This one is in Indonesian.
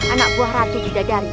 anak buah ratu widadari